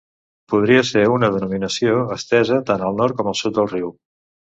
Podria ser una denominació estesa tant al nord com al sud del riu.